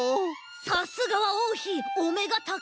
さすがはおうひおめがたかい！